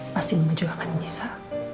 pasti mama juga akan bisa